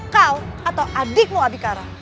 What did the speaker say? kau atau adikmu abikara